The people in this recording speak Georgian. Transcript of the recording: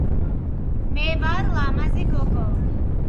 მე ვარ ლამაზი გოგო